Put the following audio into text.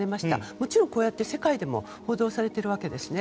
もちろんこうやって世界でも報道されているわけですね。